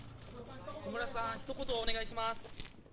小室さん、ひと言お願いします。